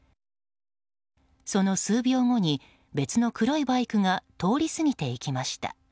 その数秒後に、別の黒いバイクが通り過ぎていきました。